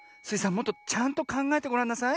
もっとちゃんとかんがえてごらんなさい。